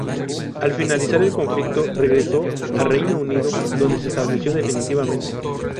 Al finalizar el conflicto, regresó al Reino Unido, donde se estableció definitivamente.